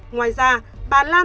ngoài ra bà lan